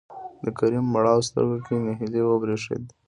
د کريم مړاوو سترګو کې نهيلي وبرېښېده.